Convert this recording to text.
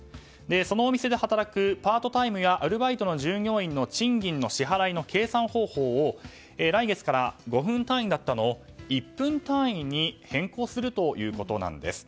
そのお店で働くパートタイムやアルバイトの従業員の賃金の支払いの計算方法を来月から５分単位だったのを１分単位に変更するということなんです。